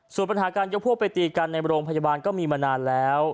ส่วนปัญหาการยกพวกไปตีกันในโรงพยาบาลก็มีมานานแล้ว